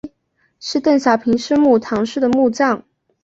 是邓小平生母谈氏的墓葬。